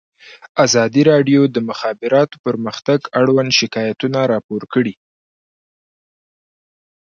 ازادي راډیو د د مخابراتو پرمختګ اړوند شکایتونه راپور کړي.